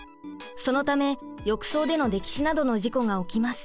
そのため浴槽での溺死などの事故が起きます。